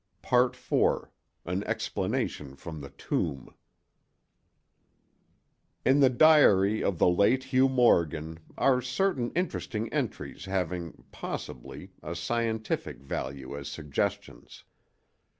IV AN EXPLANATION FROM THE TOMB In the diary of the late Hugh Morgan are certain interesting entries having, possibly, a scientific value as suggestions.